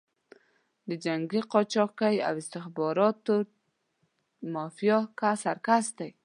د جنګي قاچاقي او استخباراتي مافیا سرکس دی.